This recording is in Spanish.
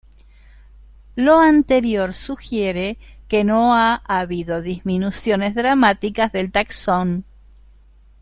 Lo anterior sugiere que no ha habido disminuciones dramáticas del taxón.